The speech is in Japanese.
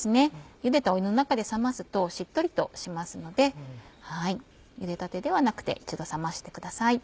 ゆでた湯の中で冷ますとしっとりとしますのでゆでたてではなくて一度冷ましてください。